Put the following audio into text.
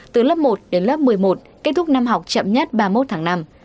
từ lớp một đến lớp một mươi một kết thúc năm học chậm nhất ba mươi một tháng năm